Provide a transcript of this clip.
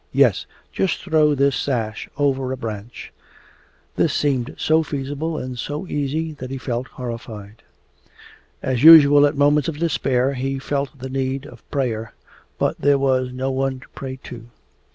Yes, just throw this sash over a branch.' This seemed so feasible and so easy that he felt horrified. As usual at moments of despair he felt the need of prayer. But there was no one to pray to.